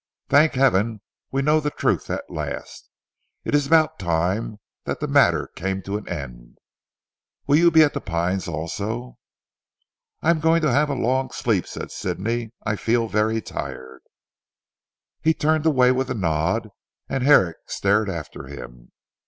Thank heaven we know the truth at last. It is about time the matter came to an end. Will you be at 'The Pines' also?" "I am going to have a long sleep," said Sidney. "I feel very tired." He turned away with a nod, and Herrick stared after him.